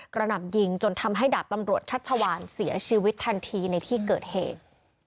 หนำยิงจนทำให้ดาบตำรวจชัชวานเสียชีวิตทันทีในที่เกิดเหตุ